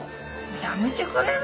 やめてくれる？